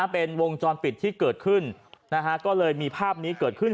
เป็นวงจรปิดที่เกิดขึ้นก็เลยมีภาพนี้เกิดขึ้น